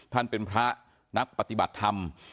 ท่านเป็นพระนักปฏิบัติธรรม